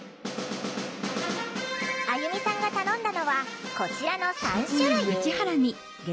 あゆみさんが頼んだのはこちらの３種類。